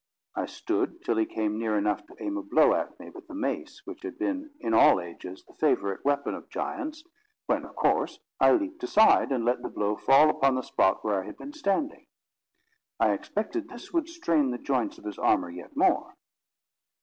I stood till he came near enough to aim a blow at me with the mace, which has been, in all ages, the favourite weapon of giants, when, of course, I leaped aside, and let the blow fall upon the spot where I had been standing. I expected this would strain the joints of his armour yet more.